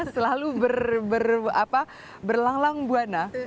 selalu berlanglang buana